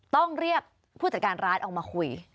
ต้องเรียกผู้จัดการร้านออกมาคุย